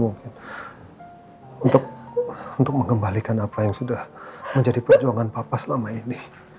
untuk mengembalikan apa yang sudah menjadi perjuangan bapak selama ini